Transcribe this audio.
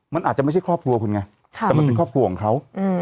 มันอาจจะไม่ใช่ครอบครัวคุณไงแต่มันเป็นครอบครัวของเขา